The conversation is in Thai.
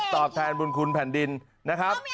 ตอบแทนบุญคุณแผ่นดินนะครับ